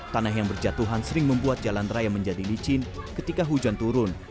tanah yang berjatuhan sering membuat jalan raya menjadi licin ketika hujan turun